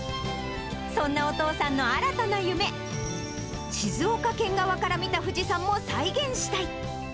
そんなお父さんの新たな夢、静岡県側から見た富士山も再現したい。